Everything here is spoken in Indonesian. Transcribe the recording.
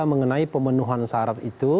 mengenai pemenuhan syarat itu